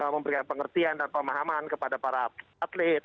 memberikan pengertian dan pemahaman kepada para atlet